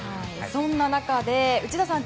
そんな中で内田さん